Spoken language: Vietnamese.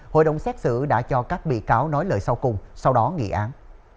hội đồng xét xử đã cho các bị cáo nói lời sau cùng sau đó nghị án